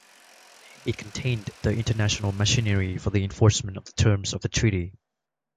It contained the international machinery for the enforcement of the terms of the treaty.